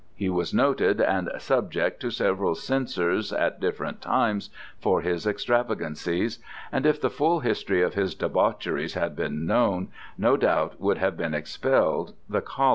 He was noted, and subject to severall censures at different times for his extravagancies: and if the full history of his debaucheries had bin known, no doubt would have been expell'd ye Coll.